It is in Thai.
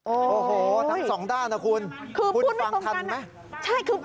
โอ้โหทั้งสองด้านนะคุณพูดฟังทันไหมโอ้โหทั้งสองด้านนะคุณคือพูดไม่ตรงกันนะ